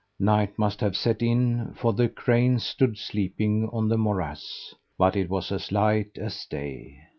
Night must have set in, for the cranes stood sleeping on the morass; but it was as light as day.